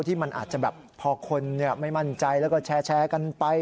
ที่มันอาจจะแบบพอคนไม่มั่นใจแล้วก็แชร์กันไป